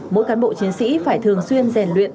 mỗi cán bộ chiến sĩ phải thường xuyên rèn luyện